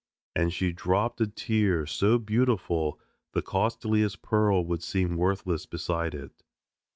And she dropped a tear so beautiful the costliest pearl would seem worthless beside it.